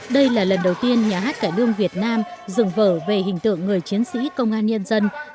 đây là lần đầu tiên nhà hát cải lương việt nam dừng vở về hình tượng người chiến sĩ công an nhân dân